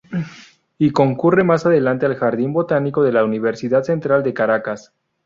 Y concurre más adelante al jardín botánico de la Universidad central de Caracas.